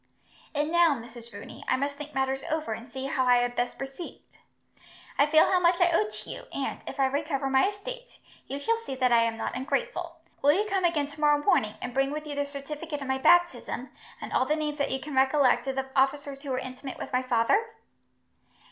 "And now, Mrs. Rooney, I must think matters over, and see how I had best proceed. I feel how much I owe to you, and, if I recover my estates, you shall see that I am not ungrateful. Will you come again tomorrow morning, and bring with you the certificate of my baptism, and all the names that you can recollect of the officers who were intimate with my father?"